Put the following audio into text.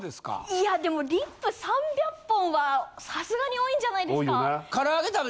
いやでもリップ３００本はさすがに多いんじゃないですか？